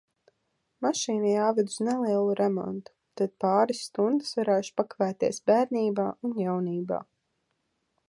Mašīna jāved uz nelielu remontu, tad pāris stundas varēšu pakavēties bērnībā un jaunībā.